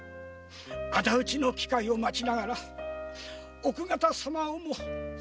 仇討ちの機会を待ちながら奥方様をも捜しているのです。